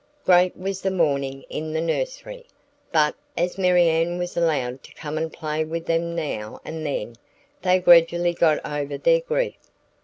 Great was the mourning in the nursery; but as Marianne was allowed to come and play with them now and then, they gradually got over their grief.